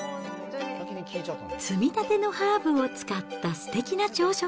摘みたてのハーブを使ったすてきな朝食。